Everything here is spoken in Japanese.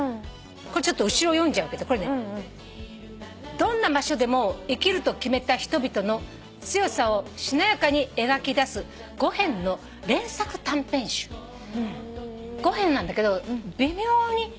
これちょっと後ろ読んじゃうけど「どんな場所でも生きると決めた人々の強さをしなやかに描き出す５編の連作短編集」５編なんだけど微妙にふわっとつながってるの。